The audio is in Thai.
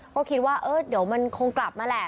ก็คิดว่าเออเดี๋ยวมันคงกลับมาแหละ